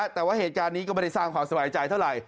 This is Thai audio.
แต่ว่าเหตุการณ์นี้ก็ไม่ได้สร้างความสบายใจเท่าไหร